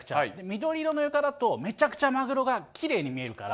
緑色の床だと、めちゃくちゃマグロがきれいに見えるから。